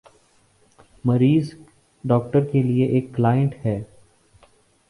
مریض ڈاکٹر کے لیے ایک "کلائنٹ" ہے۔